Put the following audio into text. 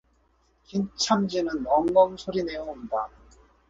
김첨지는 엉엉 소리를 내어 운다.